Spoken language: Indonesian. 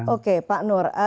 oke pak nur